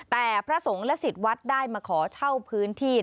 แต่พระสงฆ์และสิทธิ์วัดได้มาขอเช่าพื้นที่